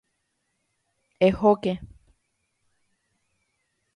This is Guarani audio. ¡Ehóke!